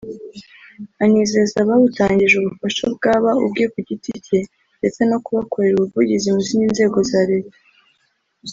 anizeza abawutangije ubufasha bwaba ubwe ku giti cye ndetse no kubakorera ubuvugizi mu zindi nzego za Leta